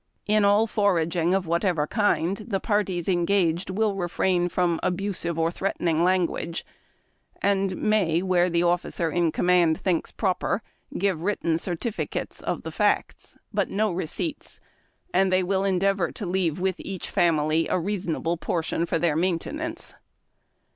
In all foraging of whatever kind, the parties engaged will refrain from abusive or threatening language, and may, where the officer in command thinks proper, give written certificates of the facts, but no receipts ; and they will en deavor to leave with each family a reasonable portion for their maintenance."